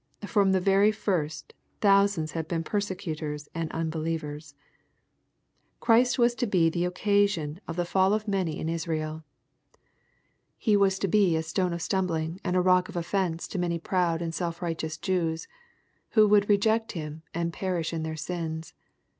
From the very first, thousands have been persecutors and unbelievers. Christ W9»s to be the occasion of "the fall of many in 70 KXFOSITOUY THOUGHTS. Israel " He was to be a stone of stumbling and rock of ofifence tc many proud and self righteous Jews^ who would reject Him and perish in their sins.